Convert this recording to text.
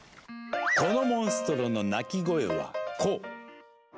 このモンストロの鳴き声はこう。